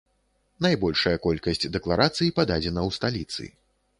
Найбольшая колькасць дэкларацый пададзена ў сталіцы.